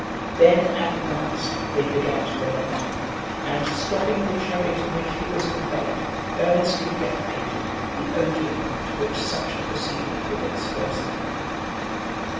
Then, at last, they began to relent, and, stopping the chariot in which he was conveyed, earnestly deprecated the odium to which such a proceeding would expose them.